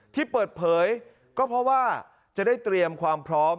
ที่เปิดเผยก็เพราะว่าจะได้เตรียมความพร้อม